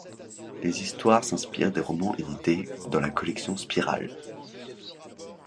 Les histoires s’inspirent des romans édités dans la collection Spirale.